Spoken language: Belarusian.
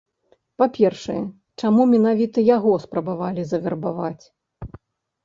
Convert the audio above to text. Па-першае, чаму менавіта яго спрабавалі завербаваць?